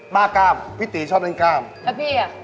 บ้ากล้ามพี่ตี๋ชอบมันกล้ามแล้วพี่อย่างไร